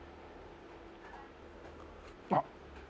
あっ。